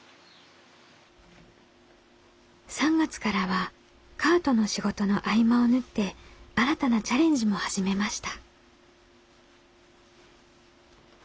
３月からはカートの仕事の合間を縫って新たなチャレンジも始めました。